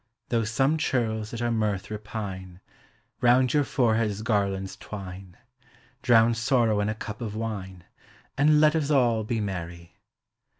Though some churls at our mirth repine, Round your foreheads garlands twine, Drown sorrow in a cup of wine. And let us all be merry.